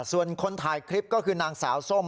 ส่วนคนถ่ายคลิปก็คือนางสาวส้ม